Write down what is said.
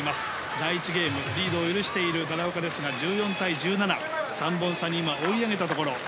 第１ゲーム、リードを許している奈良岡ですが１４対１７と３本差に今、追い上げたところ。